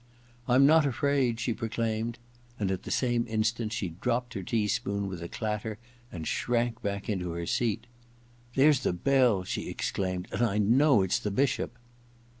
* I'm not afraid,' she proclaimed ; and at the 86 EXPIATION i same instant she dropped her tea spoon with a clatter and shrank back into her seat. ^ There's the bell/ she exclaimed, * and I know it's the Bishop!'